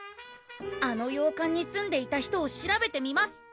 あの洋館に住んでいた人を調べてみます